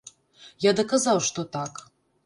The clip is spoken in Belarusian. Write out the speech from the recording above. Я даказаў, што так.